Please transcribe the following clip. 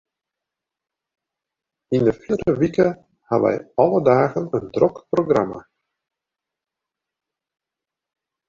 Yn 'e fierdere wike hawwe wy alle dagen in drok programma.